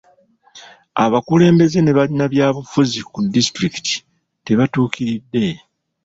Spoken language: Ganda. Abakulembeze ne bannabyabufuzi ku disitulikiti tebatuukiridde.